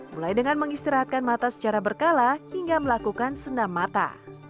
mulai dengan mengistirahatkan mata secara berkala hingga melakukan senam mata